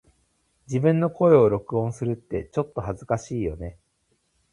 自分の声を録音するってちょっと恥ずかしいよね🫣